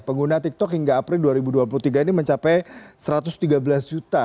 pengguna tiktok hingga april dua ribu dua puluh tiga ini mencapai satu ratus tiga belas juta